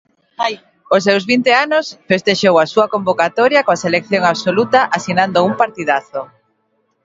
Aos seus vinte anos, festexou a súa convocatoria coa selección absoluta asinando un partidazo.